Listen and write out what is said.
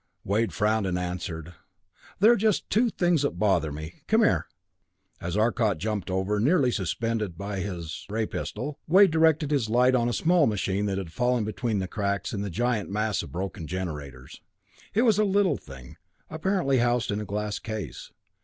Wade frowned and answered. "There are just two things that bother me. Come here." As Arcot jumped over, nearly suspended by his ray pistol, Wade directed his light on a small machine that had fallen in between the cracks in the giant mass of broken generators. It was a little thing, apparently housed in a glass case.